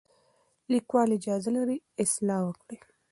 لیکوال اجازه لري اصلاح وکړي.